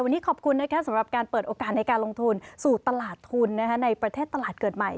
วันนี้ขอบคุณนะคะสำหรับการเปิดโอกาสในการลงทุนสู่ตลาดทุนในประเทศตลาดเกิดใหม่